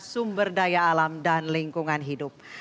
sumber daya alam dan lingkungan hidup